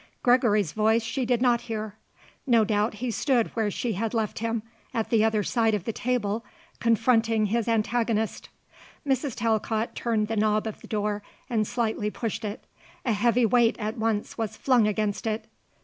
Gregory's voice she did not hear. No doubt he stood where she had left him, at the other side of the table, confronting his antagonist. Mrs. Talcott turned the knob of the door and slightly pushed it. A heavy weight at once was flung against it.